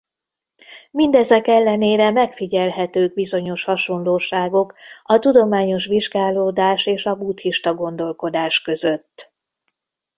Mindezek ellenére megfigyelhetők bizonyos hasonlóságok a tudományos vizsgálódás és a buddhista gondolkodás között.